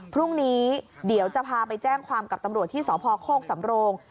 พรุ่งนี้เดี๋ยวจะพาไปแจ้งความกับตำรวจที่สพโคกสำโรง